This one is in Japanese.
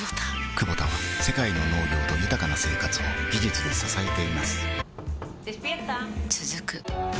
クボタは世界の農業と豊かな生活を技術で支えています起きて。